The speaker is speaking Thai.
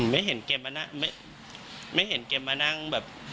ไม่เห็นแกมานั่ง